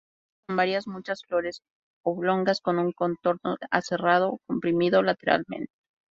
Espiguillas con varias-muchas flores, oblongas con un contorno aserrado, comprimido lateralmente.